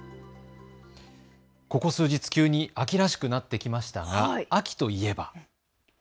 ここ数日、急に秋らしくなってきましたが秋といえば。